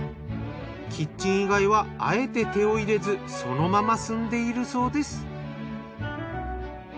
キッチン以外はあえて手を入れずそのまま住んでいるそうです。